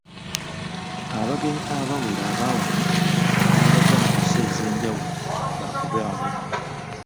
Abagenyi abawera aba wano n'abava mu nsi ez'enjawulo baakubaawo.